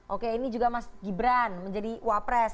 oke ini juga mas gibran menjadi wapres